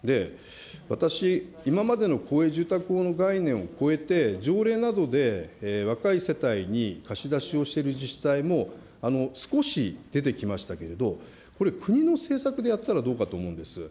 私、今までの公営住宅法の概念をこえて、条例などで若い世帯に貸し出しをしている自治体も、少し出てきましたけれど、これ、国の政策でやったらどうかと思うんです。